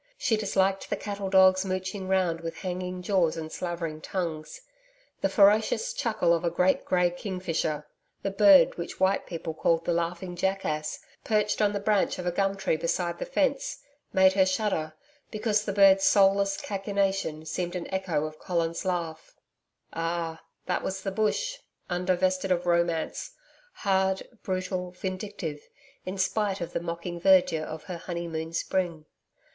She disliked the cattle dogs mooching round with hanging jaws and slavering tongues. The ferocious chuckle of a great grey king fisher the bird which white people called the laughing jackass perched on the branch of a gum tree beside the fence, made her shudder, because the bird's soulless cachinnation seemed an echo of Colin's laugh. Ah! that was the bush, undivested of romance hard, brutal, vindictive, in spite of the mocking verdure of her honeymoon spring....